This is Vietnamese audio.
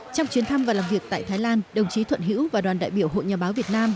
trong chuyến thăm và làm việc tại thái lan đồng chí thuận hữu và đoàn đại biểu hội nhà báo việt nam